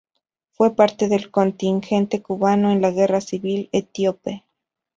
Fue parte del contingente cubano en la Guerra civil etíope.